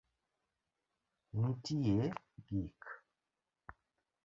Nitie gik